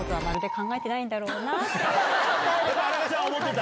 荒川さん思ってた？